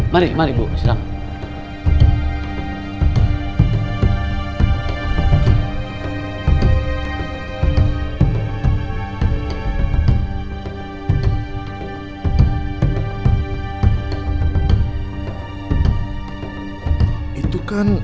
mari ibu sidang